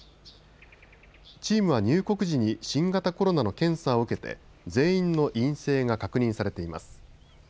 チームは入国時に新型コロナの検査を受けて全員の陰性が確認されています。